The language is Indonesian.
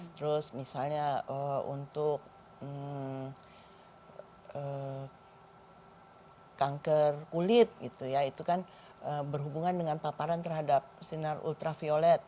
terus misalnya untuk kanker kulit gitu ya itu kan berhubungan dengan paparan terhadap sinar ultraviolet